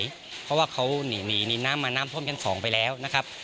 พักอาศัยเพราะว่าเขาหนีหนีน้ำมาน้ำพ่มชั้นสองไปแล้วนะครับ